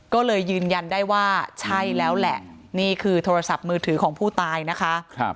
ก็เลยยืนยันได้ว่าใช่แล้วแหละนี่คือโทรศัพท์มือถือของผู้ตายนะคะ